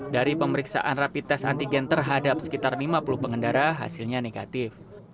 dari pemeriksaan rapi tes antigen terhadap sekitar lima puluh pengendara hasilnya negatif